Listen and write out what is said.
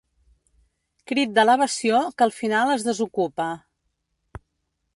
Crit d'elevació que al final es desocupa.